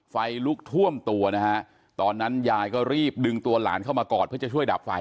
ไฟลุกท่วมตัวนะฮะตอนนั้นยายก็รีบดึงตัวหลานเข้ามากอดเพื่อจะช่วยดับไฟ